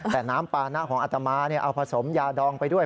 แต่น้ำปานะของอัตมาเอาผสมยาดองไปด้วย